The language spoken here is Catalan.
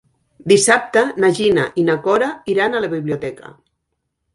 Dissabte na Gina i na Cora iran a la biblioteca.